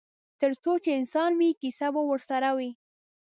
ترڅو چې انسان وي کیسه به ورسره وي.